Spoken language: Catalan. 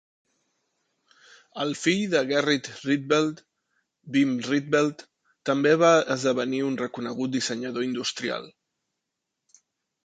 El fill de Gerrit Rietveld, Wim Rietveld, també va esdevenir un reconegut dissenyador industrial.